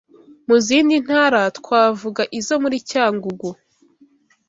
Mu zindi ntara twavug ,izo muri Cyangugu